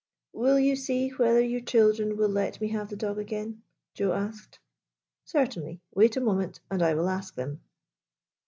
" Will you see whether your children will let me have the dog again?" Joe asked. " Certainly. Wait a moment, and I will ask them."